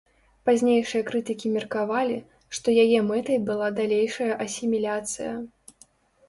Пазнейшыя крытыкі меркавалі, што яе мэтай была далейшая асіміляцыя.